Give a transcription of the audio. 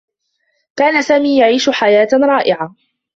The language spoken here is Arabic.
كان سامي يعيش حياة رائعة.